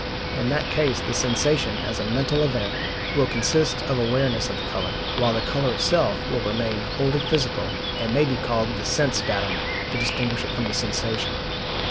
In that case the sensation, as a mental event, will consist of awareness of the colour, while the colour itself will remain wholly physical, and may be called the sense datum, to distinguish it from the sensation.